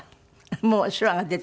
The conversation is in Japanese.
もう手話が出た。